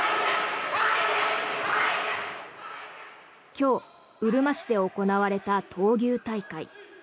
今日、うるま市で行われた闘牛大会。